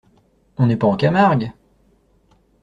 On n’est pas en Camargue!